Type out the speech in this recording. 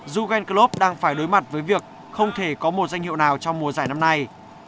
dugan club đang phải đối mặt với việc không thể có một danh hiệu nào trong mùa giải năm nay